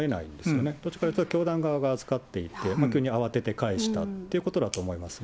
どっちかというと教団側が預かっていて、急に慌てて返したっていうことだと思いますね。